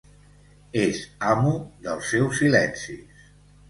És amo dels seus silencis.